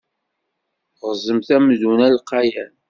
Ɣzemt amdun alqayan.